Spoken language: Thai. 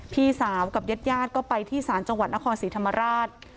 พี่สาวกับญาติญาติก็ไปที่ศาลจังหวัดนครศรีธรรมราช